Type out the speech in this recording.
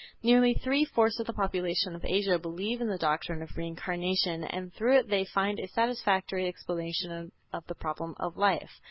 Nearly three fourths of the population of Asia believe in the doctrine of Reincarnation, and through it they find a satisfactory explanation of the problem of life.